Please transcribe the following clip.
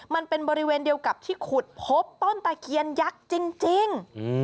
มันเป็นบริเวณเดียวกับที่ขุดพบต้นตะเคียนยักษ์จริง